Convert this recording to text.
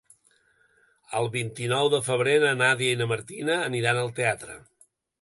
El vint-i-nou de febrer na Nàdia i na Martina aniran al teatre.